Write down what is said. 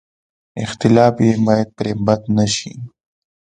اختلاف یې باید پرې بد نه شي.